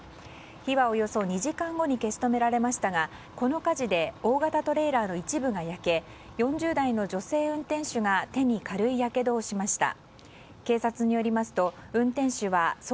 火はおよそ２時間後に消し止められましたがこの火事で大型トレーラーの一部が焼け４０代の女性運転手が手に軽いやけどをしました。